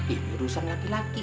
ini urusan laki laki